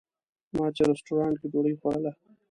ما چې رسټورانټ کې ډوډۍ خوړله.